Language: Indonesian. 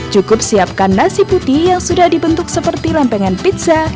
cukup siapkan nasi putih yang sudah dibentuk seperti lempengan pizza